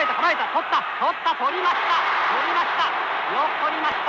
捕りました！